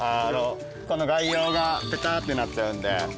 この外葉がペタッてなっちゃうんで。